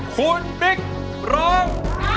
คุณบิ๊กร้อง